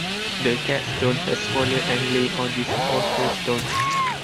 The capstone has fallen and leans on this portal stone.